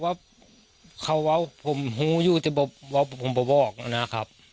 เขาบอกเขาว่าเขาเว้าผมหูอยู่แต่ว่าว่าผมบอกนะครับ